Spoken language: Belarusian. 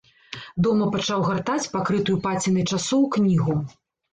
Дома пачаў гартаць пакрытую пацінай часоў кнігу.